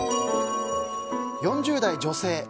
４０代女性。